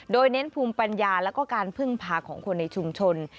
โดยเน้นภูมิปัญญาแล้วก็การพึ่งพาของคนในชุมชน